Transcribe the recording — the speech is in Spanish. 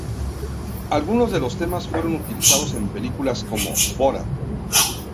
Algunos de los temas fueron utilizados en películas como "Borat".